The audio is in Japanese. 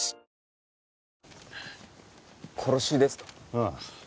ああ。